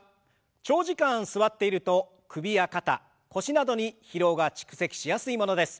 長時間座っていると首や肩腰などに疲労が蓄積しやすいものです。